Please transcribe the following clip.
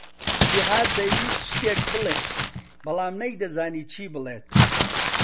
جیھاد دەیویست شتێک بڵێت، بەڵام نەیدەزانی چی بڵێت.